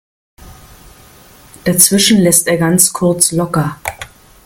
Dazwischen lässt er ganz kurz locker.